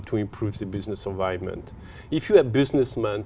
tài năng bán tài năng